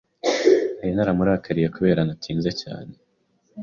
Nari naramurakariye kubera ko natinze cyane.